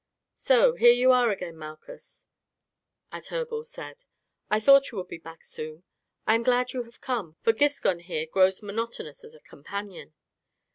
"So, here you are again, Malchus," Adherbal said. "I thought you would soon be back. I am glad you have come, for Giscon here grows monotonous as a companion.